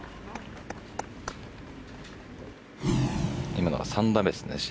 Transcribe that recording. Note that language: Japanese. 今のが３打目ですね。